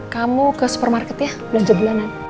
kamu ke supermarket ya belanja bulanan